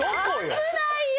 危ないよ！